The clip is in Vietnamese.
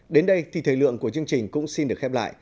đến đây thì thời lượng của chương trình cũng xin được khép lại